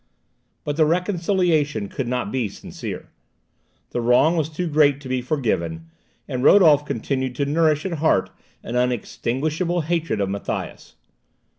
But the reconciliation could not be sincere. The wrong was too great to be forgiven, and Rodolph continued to nourish at heart an unextinguishable hatred of Matthias.